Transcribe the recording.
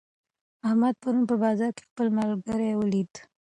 احمد پرون په بازار کې خپل ملګری ولید.